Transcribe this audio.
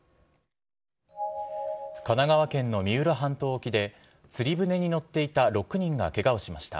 神奈川県の三浦半島沖で、釣り船に乗っていた６人がけがをしました。